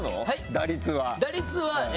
打率はえ。